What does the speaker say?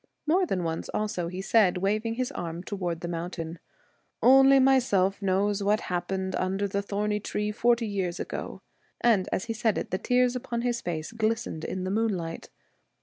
More than once also he said, waving his arm towards the 20 mountain, ' Only myself knows what hap A pened under the thorn tree forty years ago ;' and as he said it the tears upon his face glistened in the moonlight.